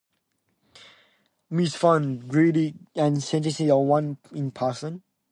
Mintz was found guilty and sentenced to one year in prison.